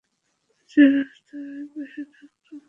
যে রাস্তার ঐ পাশে থাকতো।